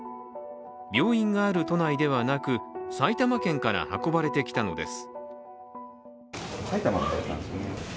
病院がある都内ではなく、埼玉県から運ばれてきたのです。